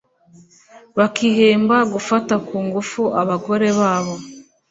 bakihemba gufata ku ngufu abagore babo